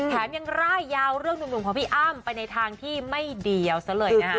แถมยังร่ายยาวเรื่องหนุ่มของพี่อ้ำไปในทางที่ไม่เดียวซะเลยนะคะ